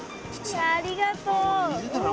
ありがとう。